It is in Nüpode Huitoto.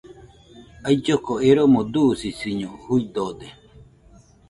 Ailloko eromo dusisiño juidode